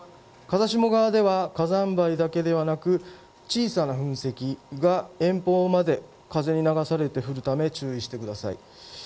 風下側では火山灰だけではなく小さな噴石が遠方まで風に流されて降るため注意してください。